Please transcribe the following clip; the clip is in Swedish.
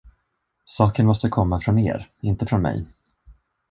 Saken måste komma från er, inte från mig.